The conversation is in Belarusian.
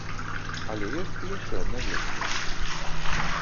Але ёсць і яшчэ адна версія.